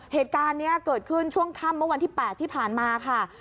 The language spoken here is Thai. เหตุการณ์นี้เกิดขึ้นช่วงค่ำเมื่อวันที่๘ที่ผ่านมาค่ะ